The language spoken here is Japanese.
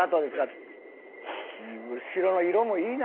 後ろの色もいいな。